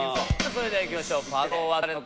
これでいきましょうか。